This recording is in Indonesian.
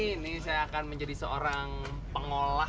ini saya akan menjadi seorang pengolah rumput laut